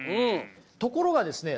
ところがですね